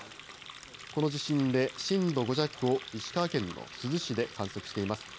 この地震で震度５弱を石川県の珠洲市で観測しています。